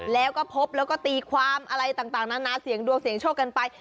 แล้วก็พบแล้วก็ตีความอะไรต่างนานาเสียงดวงเสียงโชคกันไป